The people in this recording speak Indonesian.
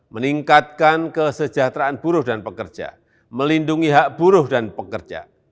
meningkatkan kesejahteraan buruh dan pekerja melindungi hak buruh dan pekerja